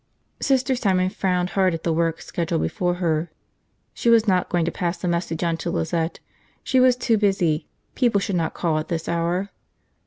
Sister Simon frowned hard at the work schedule before her. She was not going to pass the message on to Lizette. She was too busy. People should not call at this hour.